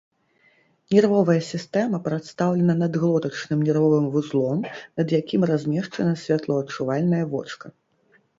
Нервовая сістэма прадстаўлена надглотачным нервовым вузлом, над якім размешчана святлоадчувальнае вочка.